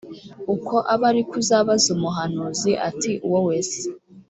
uko abe ari ko uzabaza umuhanuzi uti wowe se